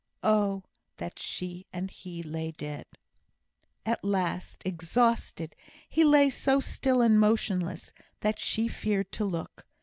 "Oh, that she and he lay dead!" At last, exhausted, he lay so still and motionless, that she feared to look.